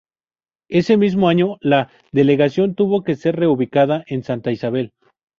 Ese mismo año la delegación tuvo que ser reubicada en Santa Isabel.